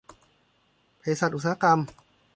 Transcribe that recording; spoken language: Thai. เภสัชอุตสาหกรรม